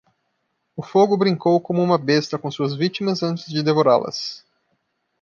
O fogo brincou como uma besta com suas vítimas antes de devorá-las.